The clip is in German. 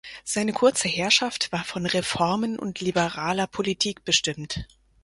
Seine kurze Herrschaft war von Reformen und liberaler Politik bestimmt.